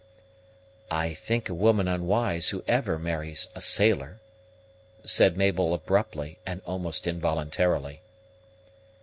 "I think a woman unwise who ever marries a sailor," said Mabel abruptly, and almost involuntarily.